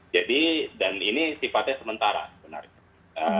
jadi dan ini sifatnya sementara sebenarnya